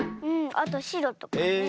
あとしろとかね。